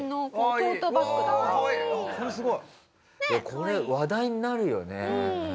これ話題になるよね。